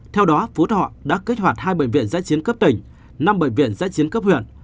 theo đó phú thọ đã kích hoạt hai bệnh viện giã chiến cấp tỉnh năm bệnh viện giã chiến cấp huyện